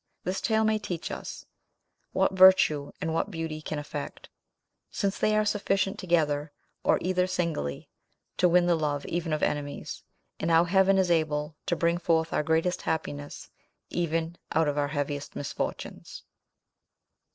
This tale may teach us what virtue and what beauty can effect, since they are sufficient together, or either singly, to win the love even of enemies; and how Heaven is able to bring forth our greatest happiness even out of our heaviest misfortunes.